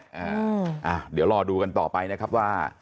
เดี๋ยวรอดูกันต่อไปนะครับว่า